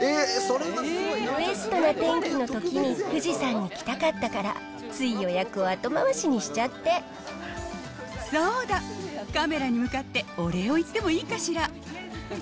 ベストな天気のときに富士山に来たかったから、つい予約を後そうだ、カメラに向かってお礼を言ってもいいかしら？